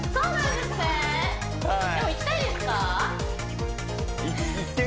でも行きたいですか？